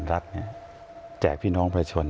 รัฐเนี่ยแจกพี่น้องพระชน